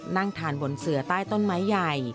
นั่งทานบนเสือใต้ต้นไม้ใหญ่